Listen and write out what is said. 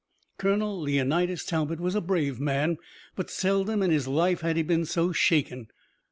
Colonel Leonidas Talbot was a brave man, but seldom in his life had he been so shaken.